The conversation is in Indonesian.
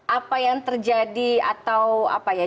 apa yang terjadi atau apa ya